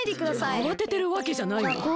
あわててるわけじゃないんだが。